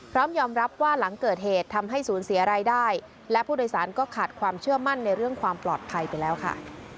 พร้อมยอมรับว่าหลังเกิดเหตุทำให้ศูนย์เสียรายได้และผู้โดยสารก็ขาดความเชื่อมั่นในเรื่องความปลอดภัยไปแล้วค่ะ